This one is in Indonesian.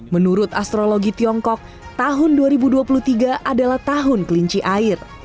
menurut astrologi tiongkok tahun dua ribu dua puluh tiga adalah tahun kelinci air